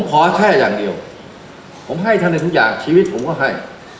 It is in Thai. ขอแค่อย่างเดียวผมให้ท่านได้ทุกอย่างชีวิตผมก็ให้